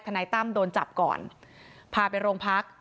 นายตั้มโดนจับก่อนพาไปโรงพัก